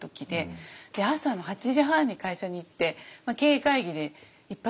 朝の８時半に会社に行って経営会議で一発